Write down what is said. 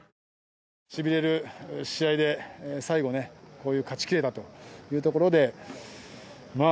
しびれる試合で最後、こうやって勝ち切れたというところで。